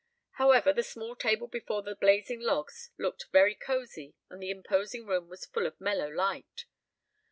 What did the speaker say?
However, the small table before the blazing logs looked very cosy and the imposing room was full of mellow light.